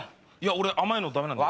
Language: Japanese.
俺甘いのダメなんで。